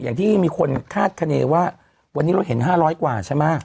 อย่างที่มีคนคาดคณีว่าวันนี้เราเห็น๕๐๐กว่าใช่ไหม